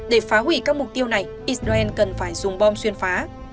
để phá hủy các mục tiêu này israel cần phải dùng bom xuyên phá